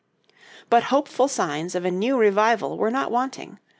But hopeful signs of a new revival were not wanting.